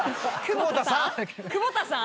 久保田さん！